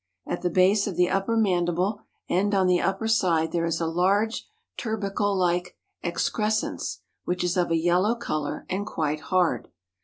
At the base of the upper mandible and on the upper side there is a large tubercle like excrescence which is of a yellow color and quite hard.